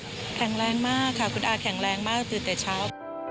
คุณอาจแข็งแรงมากค่ะคุณอาจแข็งแรงมากตื่นเต็ดเช้า